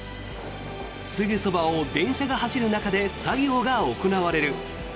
すぐそばを電車が走る中で作業が行われる。